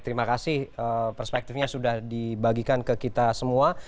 terima kasih perspektifnya sudah dibagikan ke kita semua